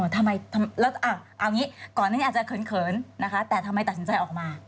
ทำไมจะเขินแต่ทำไมตัดสนใจออกมา